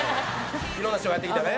いろんな人がやってきたね。